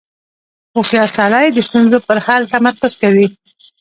• هوښیار سړی د ستونزو پر حل تمرکز کوي.